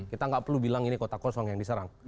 kita nggak perlu bilang ini kota kosong yang diserang